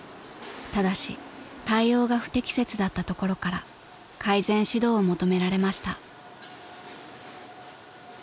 ［ただし対応が不適切だったところから改善指導を求められました］